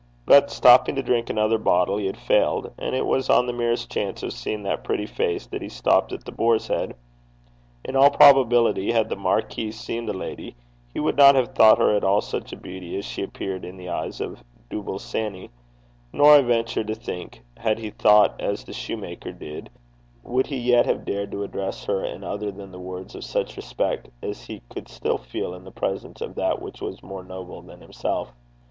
But stopping to drink another bottle, he had failed; and it was on the merest chance of seeing that pretty face that he stopped at The Boar's Head. In all probability, had the Marquis seen the lady, he would not have thought her at all such a beauty as she appeared in the eyes of Dooble Sanny; nor, I venture to think, had he thought as the shoemaker did, would he yet have dared to address her in other than the words of such respect as he could still feel in the presence of that which was more noble than himself.